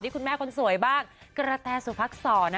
นี่คุณแม่คนสวยบ้างกระแทรสุภักษ์ศรนะ